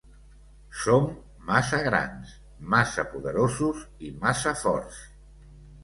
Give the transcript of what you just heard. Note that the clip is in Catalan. Som massa grans, massa poderosos i massa forts.